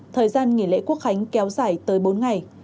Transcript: thời gian nghỉ lễ quốc khánh kéo dài tới bốn ngày